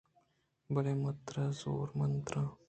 بلے من ترا زور مند تراں